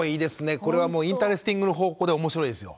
これはもうインタレスティングの方向で面白いですよ。